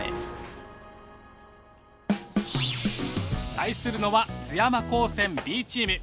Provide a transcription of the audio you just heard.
対するのは津山高専Ｂチーム。